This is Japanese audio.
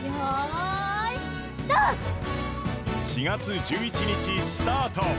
４月１１日スタート！